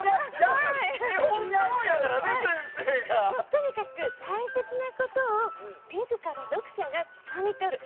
とにかく大切なことを自ら読者がつかみ取る。